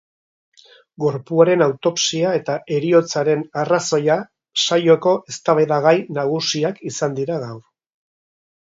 Gorpuaren autopsia eta heriotzaren arrazoia saioko eztabaidagai nagusiak izan dira gaur.